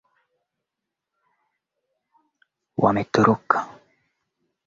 Mara kadhaa Marekani ilikuwa ikiendesha majaribio ya kumuondoa